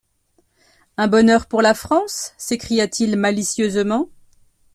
Un bonheur pour la France! s’écria-t-il malicieusement